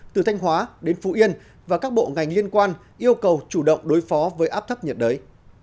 từ thanh hóa đến phú yên và các bộ ngành liên quan yêu cầu chủ động đối phó với áp thấp nhiệt đới